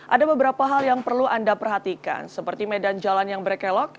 ada beberapa hal yang perlu anda perhatikan seperti medan jalan yang berkelok